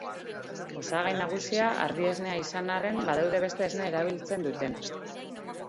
Osagai nagusia ardi-esnea izan arren badaude beste esne erabiltzen dutenak.